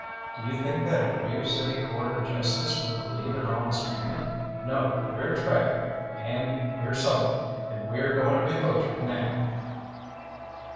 Do you think that a Grave City court of justice would believe an honest man? No, we're trapped, and we're sold, and we're going to be butchered now."